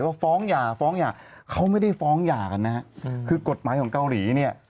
ว่าฟ้องหย่าฟ้องหย่าเขาไม่ได้ฟ้องหย่ากันนะฮะคือกฎหมายของเกาหลีเนี่ย